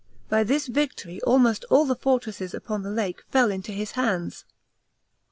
By this victory almost all the fortresses upon the lake fell into his hands.